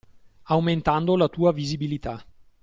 Aumentando la tua visibilità.